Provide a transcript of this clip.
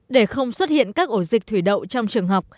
để không xuất hiện các ổ dịch thủy đậu trong trường học